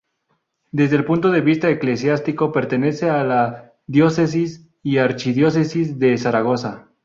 Desde el punto de vista eclesiástico, pertenece a la diócesis y archidiócesis de Zaragoza.